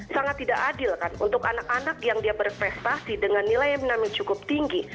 sangat tidak adil kan untuk anak anak yang dia berprestasi dengan nilai yang cukup tinggi